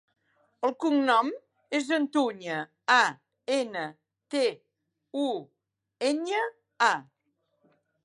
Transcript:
El cognom és Antuña: a, ena, te, u, enya, a.